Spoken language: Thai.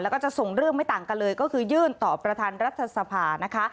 แล้วก็จะส่งเรื่องไม่ต่างกันเลยก็คือยื่นต่อประธานรัฐสภานะคะ